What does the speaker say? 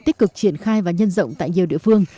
tích cực triển khai và nhân rộng tại nhiều địa phương